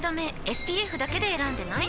ＳＰＦだけで選んでない？